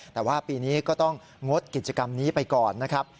แต่ว่าปีนี้ก็ต้องงดกิจกรรมนี้ไปก่อนนะครับ